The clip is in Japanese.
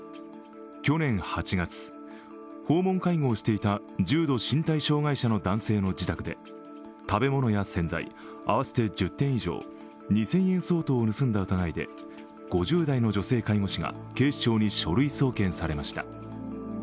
去年８月、訪問介護をしてた重度の身体障害者の男性の自宅で食べ物や洗剤、合わせて１０点以上２０００円以上を盗んだ疑いで５０代の女性介護士が警視庁に書類送検されました。